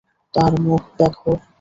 তার মুখ দেখ।